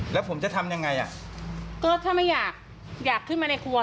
แล้วผมจะทำยังไงอ่ะก็ถ้าไม่อยากอยากขึ้นมาในครัว